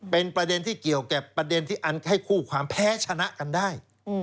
เป็นประเด็นที่เกี่ยวกับประเด็นที่อันให้คู่ความแพ้ชนะกันได้